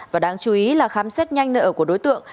và đáng chú ý là khám xét nhanh nợ của đối tượng